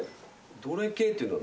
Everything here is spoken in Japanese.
どれ系っていうのは。